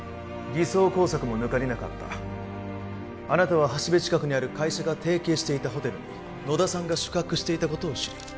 偽装工作も抜かりなかったあなたは橋部近くにある会社が提携していたホテルに野田さんが宿泊していたことを知り